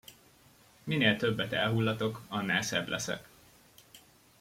Minél többet elhullatok, annál szebb leszek!